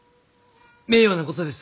名誉なことです。